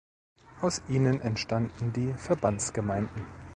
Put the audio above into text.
Aus ihnen entstanden die Verbandsgemeinden.